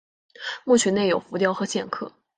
墓群内有浮雕和线刻。